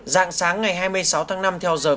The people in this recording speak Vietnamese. giảng sáng ngày hai mươi sáu tháng năm